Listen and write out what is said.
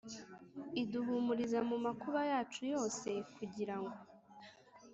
iduhumuriza mu makuba yacu yose kugira ngo